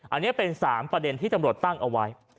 อันนี้เป็น๓ประเด็นที่ตำรวจตั้งเอาไว้